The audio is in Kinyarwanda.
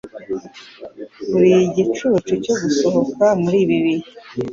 uri igicucu cyo gusohoka muri ibi bihe.